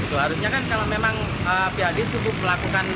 harusnya kan kalau memang pad sibuk melakukan